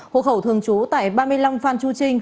hộ khẩu thường trú tại ba mươi năm phan chu trinh